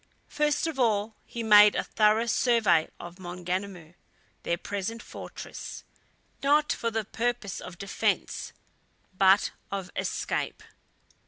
First of all he made a thorough survey of Maunganamu, their present fortress; not for the purpose of defence, but of escape.